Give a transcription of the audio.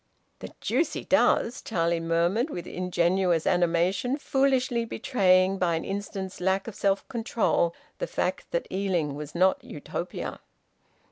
"The deuce he does!" Charlie murmured, with ingenuous animation, foolishly betraying by an instant's lack of self control the fact that Ealing was not Utopia.